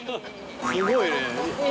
すごいね。